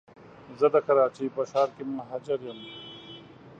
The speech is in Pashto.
زه د کراچی په ښار کي مهاجر یم